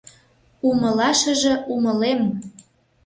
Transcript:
Умылашыже умылем.